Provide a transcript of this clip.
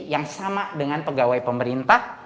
yang sama dengan pegawai pemerintah